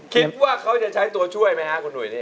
คิดว่าเขาจะใช้ตัวช่วยไหมครับคุณหุยนี่